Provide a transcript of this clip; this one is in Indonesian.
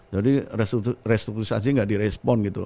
jadi restrusasi gak di respon gitu